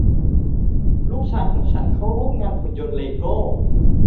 ลูกชายของฉันเข้าร่วมงานหุ่นยนต์เลโก้